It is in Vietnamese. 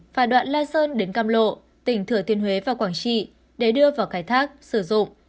và đoạn lai sơn đến cam lộ tỉnh thửa tiên huế và quảng trị để đưa vào khai thác sử dụng